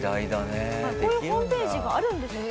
こういうホームページがあるんですって。